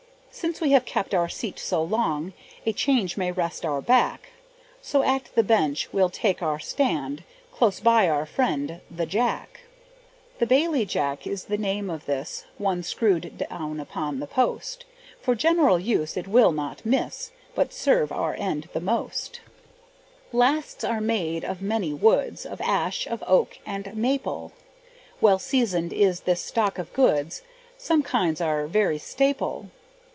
Since we have kept our seat so long, A change may rest our back; So at the bench we'll take our stand, Close by our friend, the jack. The Bailey jack is the name of this One, screwed down upon the post; For general use it will not miss, But serve our end the most. Lasts are made of many woods, Of ash, of oak, and maple; Well seasoned is this stock of goods, Some kinds are very staple.